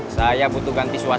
saya butuh ganti suasana